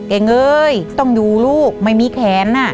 เองเอ๊ยต้องอยู่ลูกไม่มีแขนน่ะ